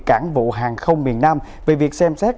cảng vụ hàng không miền nam về việc xem xét